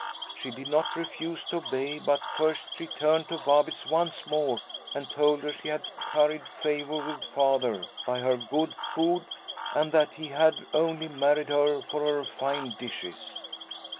She did not refuse to obey, but first she turned to Vabitz once more and told her she had curried favour with Father by her good food, and that he had only married her for her fine dishes.